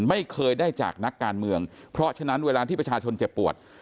ไม่เคยได้จากนักการเมืองเพราะฉะนั้นเวลาที่ประชาชนเจ็บปวด